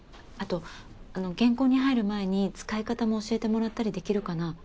あとあの原稿に入る前に使い方も教えてもらったりできるかな？